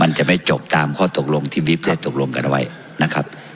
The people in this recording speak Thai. จะไม่จบตามข้อตกลงที่บิ๊บได้ตกลงกันเอาไว้นะครับ